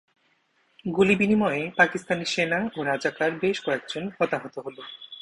গুলি বিনিময়ে পাকিস্তানি সেনা ও রাজাকার বেশ কয়েকজন হতাহত হলো।